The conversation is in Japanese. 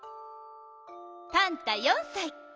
パンタ４さい。